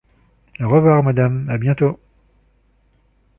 Au revoir, Madame, à bientôt !